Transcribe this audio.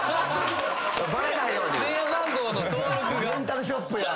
レンタルショップや。